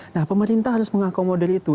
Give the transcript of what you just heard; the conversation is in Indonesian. nah pemerintah harus mengakomodir itu